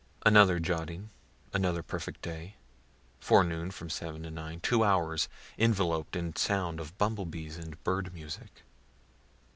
Another jotting, another perfect day: forenoon, from 7 to 9, two hours envelop'd in sound of bumble bees and bird music.